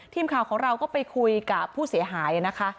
ทีมข่าวของเราก็ไปคุยกับผู้เสียหายนะคะ